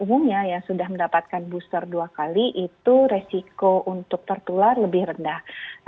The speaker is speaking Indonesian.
umumnya yang sudah mendapatkan booster dua kali itu resiko untuk tertular lebih rendah